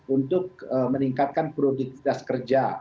untuk meningkatkan prioritas kerja